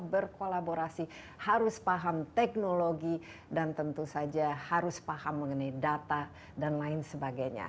berkolaborasi harus paham teknologi dan tentu saja harus paham mengenai data dan lain sebagainya